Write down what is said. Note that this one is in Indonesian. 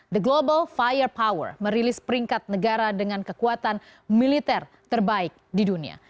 the global fire power merilis peringkat negara dengan kekuatan militer terbaik di dunia